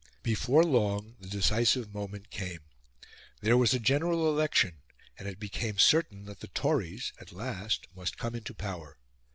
Before long, the decisive moment came. There was a General Election, and it became certain that the Tories, at last, must come into power.